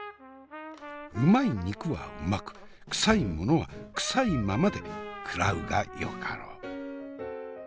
うまい肉はうまくクサいものはクサいままで食らうがよかろう。